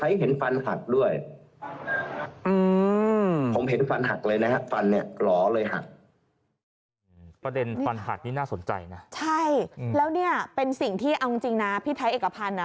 ออกเป็นส่วนเป็นที่เราไม่เคยคิดพิมพ์สำหรับแพทย์สัมภาษณ์ในรายการค่ะ